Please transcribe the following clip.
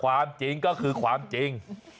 ความจริงก็คือความจริง